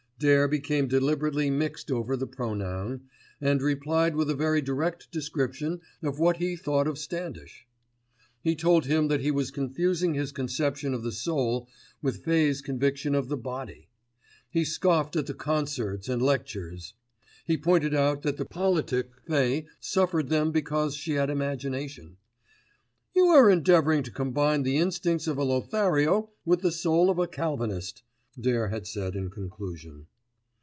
Dare became deliberately mixed over the pronoun, and replied with a very direct description of what he thought of Standish. He told him that he was confusing his conception of the soul with Fay's conviction of the body. He scoffed at the concerts and lectures. He pointed out that the politic Fay suffered them because she had imagination. "You are endeavouring to combine the instincts of a lothario with the soul of a calvinist," Dare had said in conclusion.